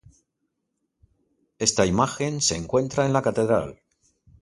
Esta imagen se encuentra en la catedral.